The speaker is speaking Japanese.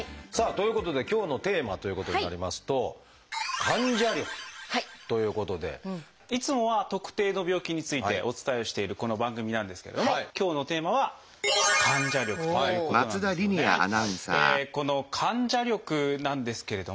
さあということで今日のテーマということになりますといつもは特定の病気についてお伝えしているこの番組なんですけども今日のテーマは「患者力」ということなんですよね。